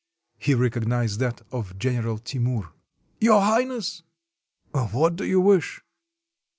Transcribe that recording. He recognized that of General Timur. ''Your Highness." "What do you wish?"